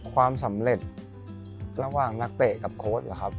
ความสำเร็จระหว่างนักเตะกับโค้ดเหรอครับ